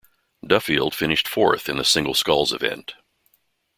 Duffield finished fourth in the single sculls event.